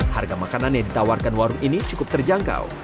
harga makanan yang ditawarkan warung ini cukup terjangkau